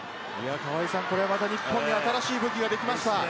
これは日本に新しい武器ができました。